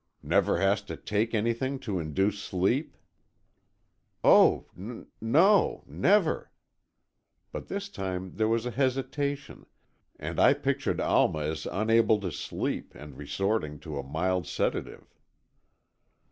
"Never has to take anything to induce sleep?" "Oh, n' no—never." But this time there was hesitation, and I pictured Alma as unable to sleep and resorting to a mild sedative.